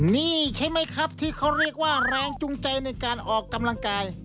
นี่ใช่ไหมครับที่เขาเรียกว่าแรงจูงใจในการออกกำลังกาย